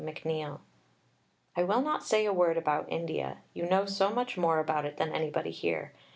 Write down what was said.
McNeill_). I will not say a word about India. You know so much more about it than anybody here.